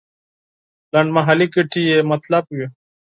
لنډمهالې ګټې یې مطلب وي.